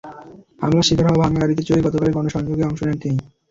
হামলার শিকার হওয়া ভাঙা গাড়িতে চড়েই গতকালের গণসংযোগে অংশ নেন তিনি।